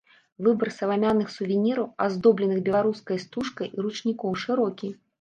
Выбар саламяных сувеніраў, аздобленых беларускай стужкай, і ручнікоў шырокі.